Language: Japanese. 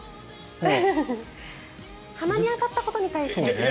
鼻に当たったことに対して。